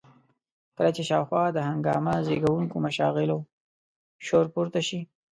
کله چې شاوخوا د هنګامه زېږوونکو مشاغلو شور پورته شي.